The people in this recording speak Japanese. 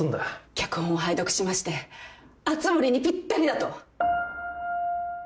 脚本を拝読しまして熱護にぴったりだと